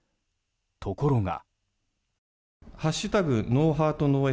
ところが。